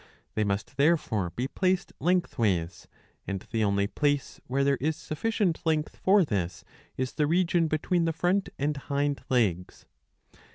They must therefore be placed lengthways, and the only place where there is sufficient length for this is the region between the ' front and hind legs.